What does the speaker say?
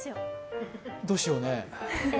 どうしよう。